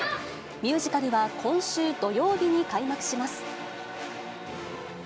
ミュージカルは今週土曜日に開幕します。